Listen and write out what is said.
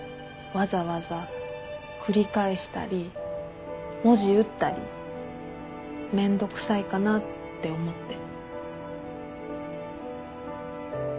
わざわざ繰り返したり文字打ったりめんどくさいかなって思って。